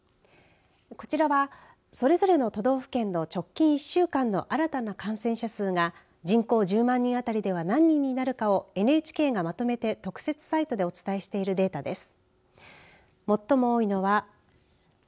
こちらはそれぞれの都道府県の直近１週間の新たな感染者数が人口１０万人あたりでは何人になるかをＮＨＫがまとめて特設サイトでお伝えしているデータです。